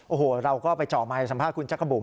โอ้โหเราก็ไปเจาะไมค์สัมภาษณ์คุณจักรบุ๋